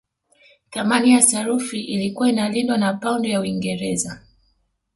Thamani ya sarafu ilikuwa inalindwa na paundi ya Uingereza